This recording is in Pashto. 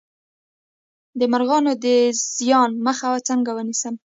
د مرغانو د زیان مخه څنګه ونیسم؟